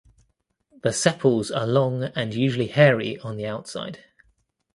The sepals are long and usually hairy on the outside.